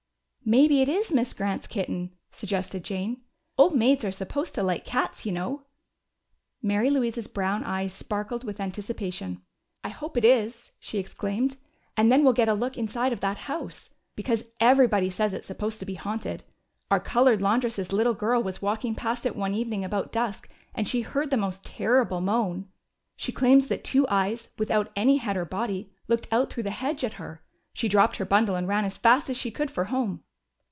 "Maybe it is Miss Grant's kitten," suggested Jane. "Old maids are supposed to like cats, you know." Mary Louise's brown eyes sparkled with anticipation. "I hope it is!" she exclaimed. "And then we'll get a look at the inside of that house. Because everybody says it's supposed to be haunted. Our colored laundress's little girl was walking past it one evening about dusk, and she heard the most terrible moan. She claims that two eyes, without any head or body, looked out through the hedge at her. She dropped her bundle and ran as fast as she could for home."